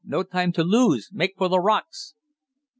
"No time to lose. Make for the rocks!"